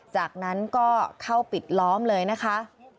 จากนั้นก็เข้าปิดล้อมเลยนะคะ